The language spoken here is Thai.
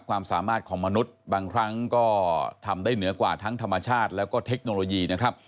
ความสามารถของมนุษย์บางครั้งก็ทำได้เหนือกว่าทั้งธรรมชาติแล้วก็เทคโนโลยีนะครับ